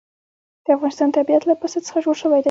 د افغانستان طبیعت له پسه څخه جوړ شوی دی.